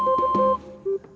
saya juga ngantuk